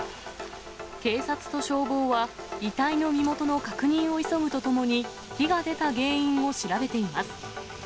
警察と消防は、遺体の身元の確認を急ぐとともに、火が出た原因を調べています。